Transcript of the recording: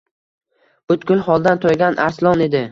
Butkul holdan toygan Arslon edi.